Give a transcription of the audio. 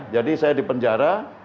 jadi saya di penjara